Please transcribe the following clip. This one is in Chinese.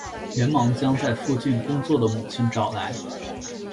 连忙将在附近工作的母亲找来